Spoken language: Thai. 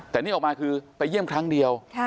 แต่นี่ออกมาคือไปเยี่ยมครั้งเดียว